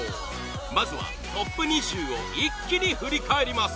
まずはトップ２０を一気に振り返ります